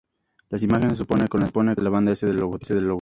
La imagen se superpone con espinas de la banda "S" del logotipo.